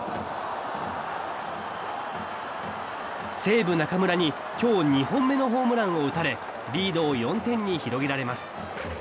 西武、中村に今日２本目のホームランを打たれリードを４点に広げられます。